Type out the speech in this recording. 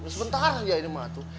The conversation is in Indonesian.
sebentar aja ini mah tuh